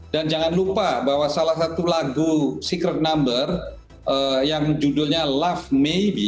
dan jangan lupa bahwa salah satu lagu secret number yang judulnya love maybe